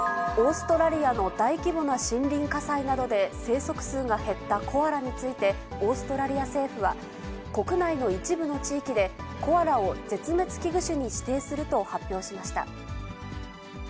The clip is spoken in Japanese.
オーストラリアの大規模な森林火災などで生息数が減ったコアラについて、オーストラリア政府は、国内の一部の地域で、コアラを絶滅危惧種に指定すると発表しました。